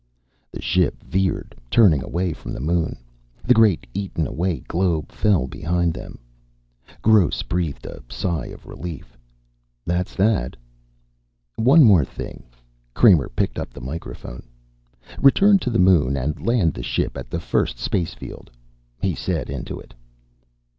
The ship veered, turning away from the moon. The great eaten away globe fell behind them. Gross breathed a sigh of relief. "That's that." "One more thing." Kramer picked up the microphone. "Return to the moon and land the ship at the first space field," he said into it.